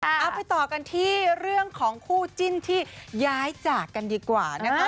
เอาไปต่อกันที่เรื่องของคู่จิ้นที่ย้ายจากกันดีกว่านะคะ